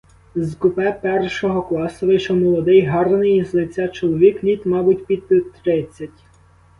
З купе першого класу вийшов молодий, гарний з лиця чоловік, літ, мабуть, під тридцять.